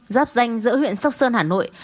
giáp danh giữa huyện sóc sơn hà nội